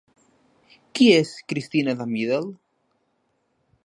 Qui és Cristina de Middel?